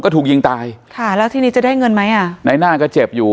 ก็ถูกยิงตายค่ะแล้วทีนี้จะได้เงินไหมอ่ะในหน้าก็เจ็บอยู่